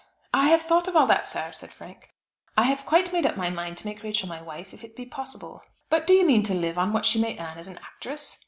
"I have thought of all that, sir," said Frank, "I have quite made up my mind to make Rachel my wife, if it be possible." "Do you mean to live on what she may earn as an actress?"